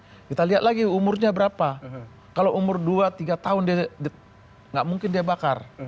jadi kita lihat lagi umurnya berapa kalau umur dua tiga tahun tidak mungkin dia bakar